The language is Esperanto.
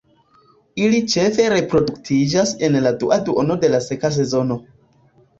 Ili ĉefe reproduktiĝas en la dua duono de la seka sezono.